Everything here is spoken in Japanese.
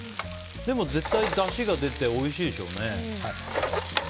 でも、絶対だしが出ておいしいでしょうね。